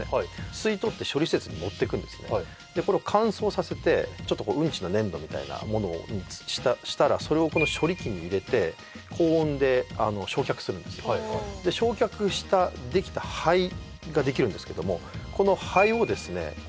吸い取って処理施設に持ってくんですねでこれを乾燥させてうんちの粘土みたいなものにしたらそれをこの処理機に入れて高温で焼却するんですよで焼却した灰ができるんですけどもこの灰をですね